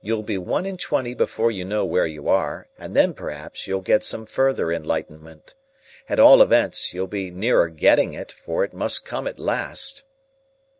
You'll be one and twenty before you know where you are, and then perhaps you'll get some further enlightenment. At all events, you'll be nearer getting it, for it must come at last."